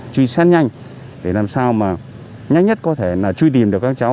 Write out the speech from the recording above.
truy sát nhanh để làm sao mà nhanh nhất có thể là truy tìm được các cháu